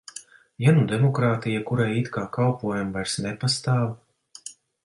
Ja nu demokrātija, kurai it kā kalpojam, vairs nepastāv?